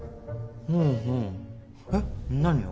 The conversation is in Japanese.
ふんふんえっ何を？